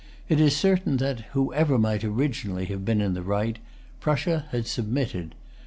It is certain that, whoever might originally have been in the right, Prussia had submitted.